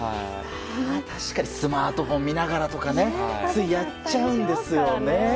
確かにスマートフォン見ながらとかついやっちゃうんですよね。